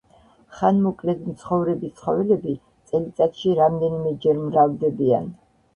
ხანმოკლედ მცხოვრები ცხოველები წელიწადში რამდენიმეჯერ მრავლდებიან.